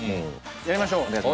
やりましょう！